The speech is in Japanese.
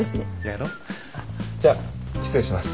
やろ？じゃあ失礼します。